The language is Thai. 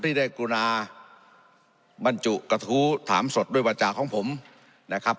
ที่ได้กรุณาบรรจุกระทู้ถามสดด้วยวาจาของผมนะครับ